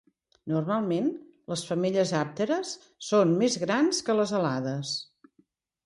Normalment, les femelles àpteres són més grans que les alades.